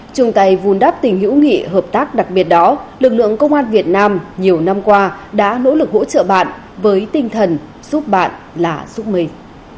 chung tay vun đắp tình hữu nghị hợp tác đặc biệt đó lực lượng công an việt nam nhiều năm qua đã nỗ lực hỗ trợ bạn với tinh thần giúp bạn là giúp mình